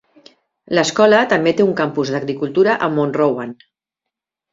L'escola també té un campus d'Agricultura a Mount Rowan.